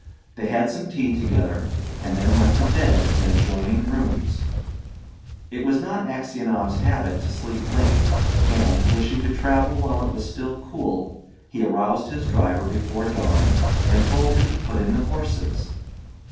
They had some tea together, and then went to bed in adjoining rooms. It was not Aksionov's habit to sleep late, and, wishing to travel while it was still cool, he aroused his driver before dawn, and told him to put in the horses.